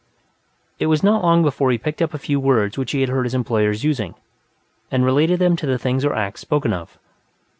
It was not long before he picked up a few words which he had heard his employers using, and related them to the things or acts spoken of.